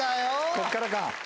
こっからか。